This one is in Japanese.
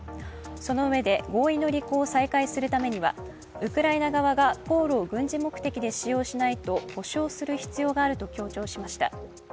そのうえで合理の履行を再開するためにはウクライナ側が航路を軍事目的で使用しないと保証する必要があると強調しました。